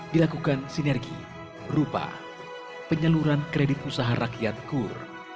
dilakukan sinergi rupa penyaluran kredit usaha rakyat kur